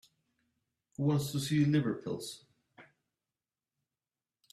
Who wants to see liver pills?